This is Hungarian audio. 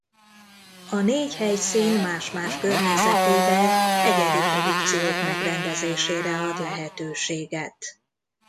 A négy helyszín más-más környezetével egyedi produkciók megrendezésére ad lehetőséget.